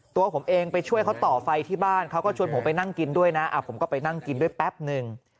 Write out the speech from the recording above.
ตัวผมเองไปช่วยเขาต่อไฟที่บ้านเขาก็ชวนผมไปนั่งกินด้วยนะผมก็ไปนั่งกินด้วยแป๊บหนึ่ง